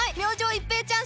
一平ちゃーん！